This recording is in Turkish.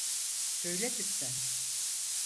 Söyle lütfen.